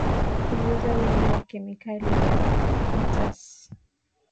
Kupunguza wingi wa kemikali ya phytates